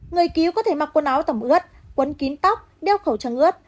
người cứu có thể mặc quần áo tầm ướt quấn kín tóc đeo khẩu trang ướt